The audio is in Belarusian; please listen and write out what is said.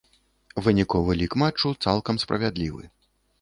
Выніковы лік матчу цалкам справядлівы.